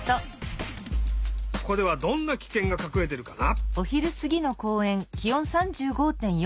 ここではどんなキケンがかくれてるかな？